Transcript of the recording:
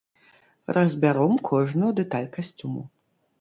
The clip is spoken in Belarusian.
Разбяром кожную дэталь касцюму.